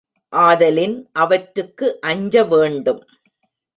ஆதலின் அவற்றுக்கு அஞ்ச வேண்டும்.